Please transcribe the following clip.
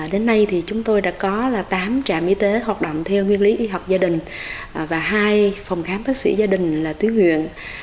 đến nay thì chúng tôi đã có tám trạm y tế hoạt động theo nguyên lý y học gia đình và hai phòng khám bác sĩ gia đình là tuyến huyện